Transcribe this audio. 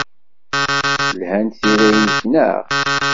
Lhant tira-nnek, naɣ?